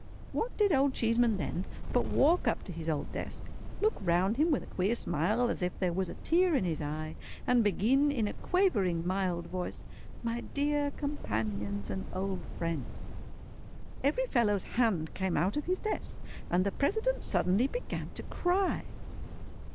What did Old Cheeseman then, but walk up to his old desk, look round him with a queer smile as if there was a tear in his eye, and begin in a quavering, mild voice, "My dear companions and old friends!" Every fellow's hand came out of his desk, and the President suddenly began to cry.